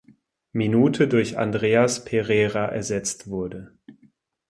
Minute durch Andreas Pereira ersetzt wurde.